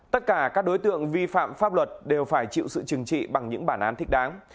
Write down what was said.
tất cả các đối tượng vi phạm pháp luật đều phải chịu sự trừng trị bằng những bản án thích đáng